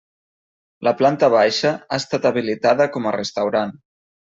La planta baixa ha estat habilitada com a restaurant.